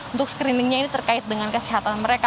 untuk screeningnya ini terkait dengan kesehatan mereka